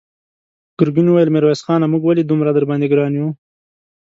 ګرګين وويل: ميرويس خانه! موږ ولې دومره درباندې ګران يو؟